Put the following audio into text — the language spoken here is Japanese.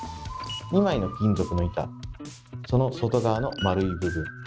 ２枚の金属の板その外側の丸い部分。